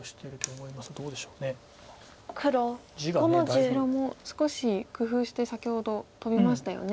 白も少し工夫して先ほどトビましたよね。